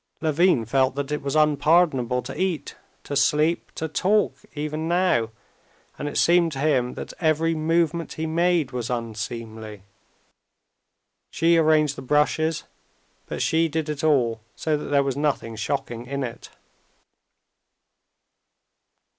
Levin felt that it was unpardonable to eat, to sleep, to talk even now, and it seemed to him that every movement he made was unseemly. She arranged the brushes, but she did it all so that there was nothing shocking in it.